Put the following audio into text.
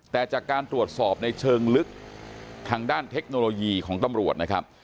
แต่จากการตรวจสอบในเชิงลึกทางด้านเทคโนโลยีของตำรวจนะครับ